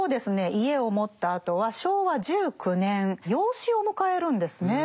家を持ったあとは昭和１９年養子を迎えるんですね。